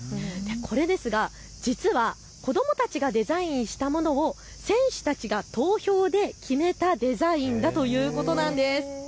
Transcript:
これですが実は子どもたちがデザインしたものを選手たちが投票で決めたデザインだということなんです。